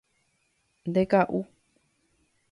Ndeka'u.